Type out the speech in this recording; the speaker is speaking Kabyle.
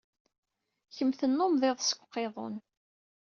Kemm tennummeḍ iḍes deg uqiḍun.